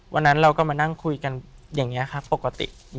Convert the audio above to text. วันนั้นเราก็มานั่งคุยกันอย่างนี้ครับปกติ